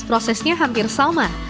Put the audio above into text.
prosesnya hampir sama